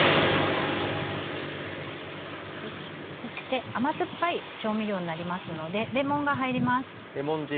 そして甘酸っぱい調味料になりますのでレモンが入ります。